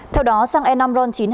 theo đó xăng e năm ron chín mươi hai